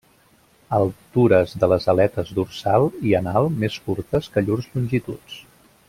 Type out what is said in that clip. Altures de les aletes dorsal i anal més curtes que llurs longituds.